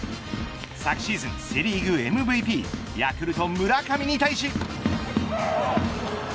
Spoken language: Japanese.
昨シーズン、セリーグＭＶＰヤクルト村上に対し。